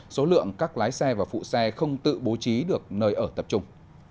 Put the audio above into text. số lượng các lái xe và phụ xe không tự bố trí được nơi ở tập trung